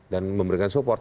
dan memberikan support